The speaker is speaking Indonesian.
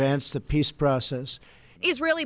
untuk mempermainkan proses keamanan